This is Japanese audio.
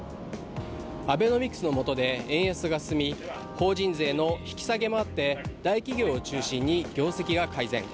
アベノミクスのもとで円安が進み、法人税の引き下げもあって大企業を中心に業績が改善。